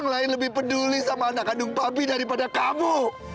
kamu masih lebih peduli sama anak kandung papi daripada kamu